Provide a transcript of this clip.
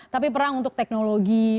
tapi perang untuk teknologi